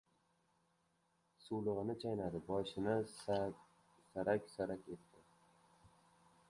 Suvlig‘ini chaynadi, boshini sarak-sarak etdi.